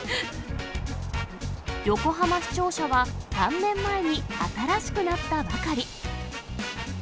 横浜市庁舎は、３年前に新しくなったばかり。